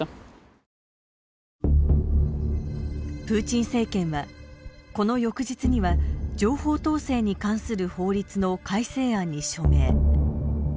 プーチン政権はこの翌日には情報統制に関する法律の改正案に署名。